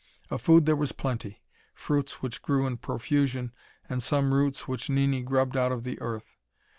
Of food there was plenty fruits which grew in profusion, and some roots which Nini grubbed out of the earth.